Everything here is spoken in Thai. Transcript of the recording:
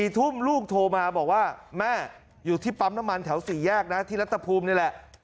๔ทุ่มลูกโทรมาบอกว่าแม่อยู่ที่ปั๊มน้ำมันแถว๔แยกนะที่รัฐภูมินี่แหละ